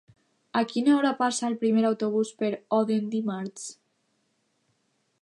A quina hora passa el primer autobús per Odèn dimarts?